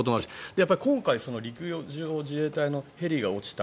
やっぱり、今回陸上自衛隊のヘリが落ちた。